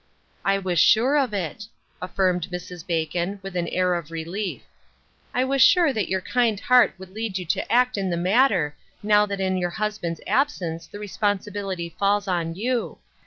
" I was sure of it," affirmed Mrs. Bacon, with an air of relief. " I was sure that your kind heart would lead you to act in the matter, now that in your husband's absence the responsibility falls on you.